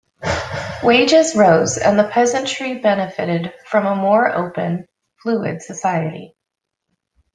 Wages rose, and the peasantry benefited from a more open, fluid society.